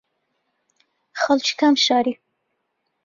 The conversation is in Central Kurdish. خەڵکی کام شاری